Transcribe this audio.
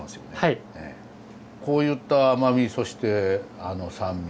こういった甘みそして酸味